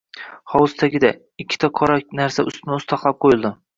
Hovuz tagida... ikkita qora narsa ustma-ust taxlab qo‘yildi.